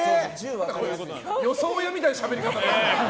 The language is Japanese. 予想屋みたいなしゃべり方。